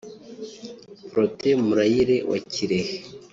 Protais Murayire wa Kirehe